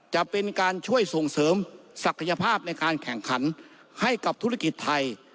จะเป็นการช่วยส่งเสริมศักยภาพในการแข่งขันให้กับธุรกิจไทย